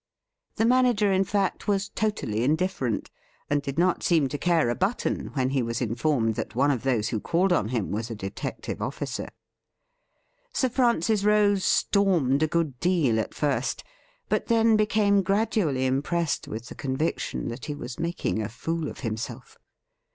The manager, in fact, was totally indifferent, and did not seem to care a button when he was informed that one of those who called on him was a detective officer. Sir Francis Rose stormed a good deal at first, but then became gradually impressed with the con viction that he was making a fool of himself.